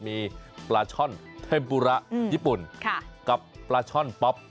ว่าสองสัญชาติมีปลาช่อนเทมปุระญี่ปุ่นกับปลาช่อนป๊อป